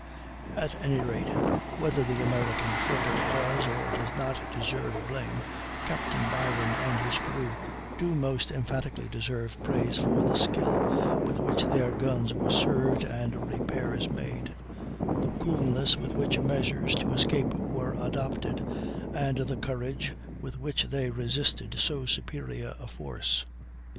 At any rate, whether the American frigate does, or does not, deserve blame, Captain Byron and his crew do most emphatically deserve praise for the skill with which their guns were served and repairs made, the coolness with which measures to escape were adopted, and the courage with which they resisted so superior a force.